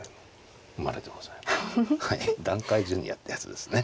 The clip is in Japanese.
団塊ジュニアってやつですね。